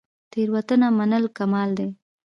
تیروتنه منل کمال دی